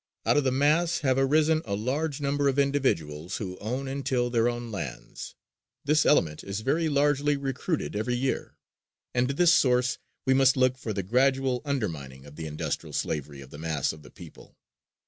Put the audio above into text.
Out of the mass have arisen a large number of individuals who own and till their own lands. This element is very largely recruited every year, and to this source must we look for the gradual undermining of the industrial slavery of the mass of the people.